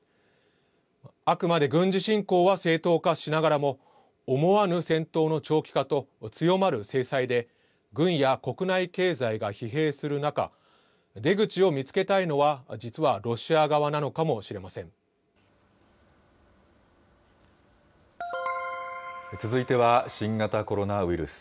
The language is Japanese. あくまで軍事侵攻は正当化しながらも、思わぬ戦闘の長期化と、強まる制裁で、軍や国内経済が疲弊する中、出口を見つけたいのは、続いては、新型コロナウイルス。